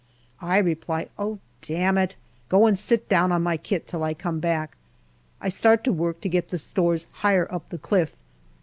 I reply, " Oh, damn it ; go and sit down on my kit till I come back." I start to work to get the stores higher up the cliff.